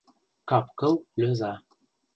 Кап-кыл лӧза